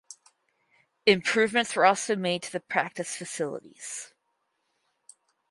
Improvements were also made to the practice facilities.